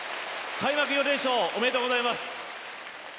開幕４連勝おめでとうございます。